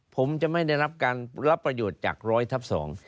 ผมจะไม่ได้รับการรับประโยชน์จากร้อยทับสอง